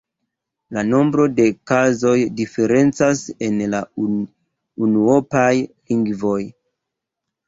La nombro de kazoj diferencas en la unuopaj lingvoj.